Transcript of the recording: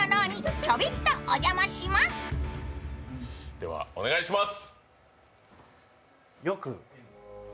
では、お願いします。